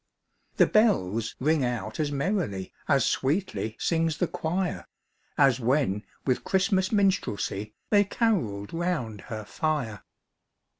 OHBISTMAS TEABS. 15 The bells ring out as merrily, As sweetly sings the choir, As when with Christmas minstrelsy They carolled round her fire.